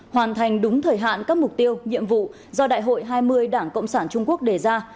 hoàn thành đúng thời hạn các mục tiêu nhiệm vụ do đại hội hai mươi đảng cộng sản trung quốc đề ra